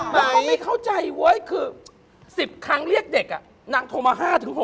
นางโทรมา๕ถึง๖อ่ะ